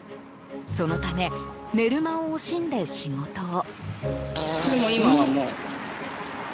そのため寝る間を惜しんで仕事を。